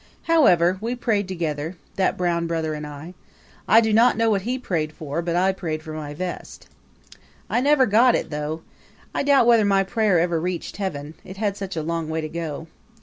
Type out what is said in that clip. However, we prayed together that brown brother and I. I do not know what he prayed for, but I prayed for my vest. I never got it though. I doubt whether my prayer ever reached heaven it had such a long way to go.